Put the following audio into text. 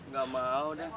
gak mau den